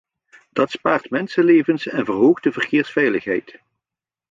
Dat spaart mensenlevens en verhoogt de verkeersveiligheid.